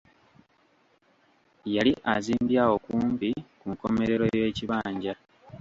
Yali azimbye awo kumpi ku nkomerero y'ekibanja.